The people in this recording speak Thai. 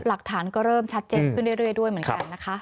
หลักฐานก็เริ่มชัดเจนขึ้นเรื่อยด้วยเหมือนกันนะคะ